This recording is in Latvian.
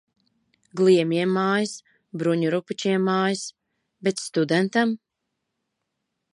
Gliemjiem mājas. Bruņurupučiem mājas. Bet studentam?!..